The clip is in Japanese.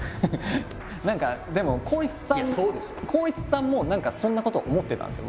何かでも光一さんも何かそんなことを思ってたんですよ